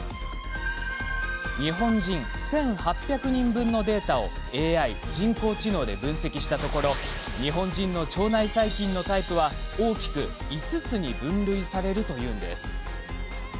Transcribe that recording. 日本人１８００人分のデータをＡＩ・人工知能で分析したところ日本人の腸内細菌のタイプは大きく５つに分類されるというんです。